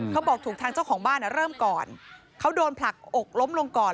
ถูกทางเจ้าของบ้านเริ่มก่อนเขาโดนผลักอกล้มลงก่อน